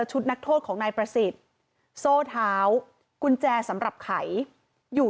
ชุดนักโทษของนายประสิทธิ์โซ่เท้ากุญแจสำหรับไขอยู่